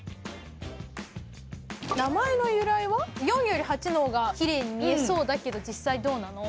４より８の方がきれいに見えそうだけど実際どうなの？